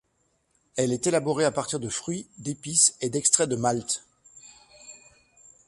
Elle est élaborée à partir de fruits, d'épices et d'extrait de malt.